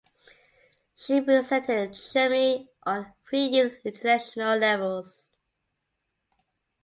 She represented Germany on three youth international levels.